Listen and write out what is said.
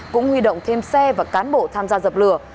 cũng huy động thêm xe và cán bộ tham gia dập lửa